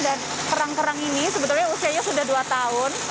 kerang kerang ini sebetulnya usianya sudah dua tahun